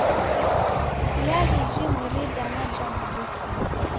Iaghi jimweri ja idanaa jabudukie.